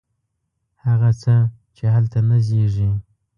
هغه څه، چې هلته نه زیږي